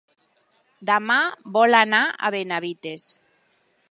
Demà vol anar a Benavites.